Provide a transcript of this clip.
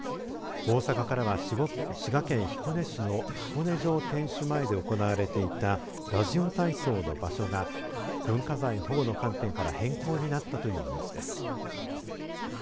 大阪からは滋賀県彦根市の彦根城天守前で行われていたラジオ体操の場所が文化財保護の観点から変更になったというニュースです。